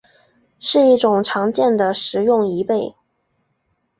是一种常见的食用贻贝。